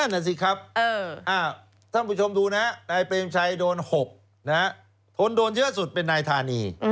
นั่นน่ะสิครับท่านผู้ชมดูนะนายเปรมชัยโดน๖คนโดนเยอะสุดเป็นนายธานี